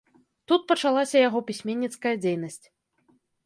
Тут пачалася яго пісьменніцкая дзейнасць.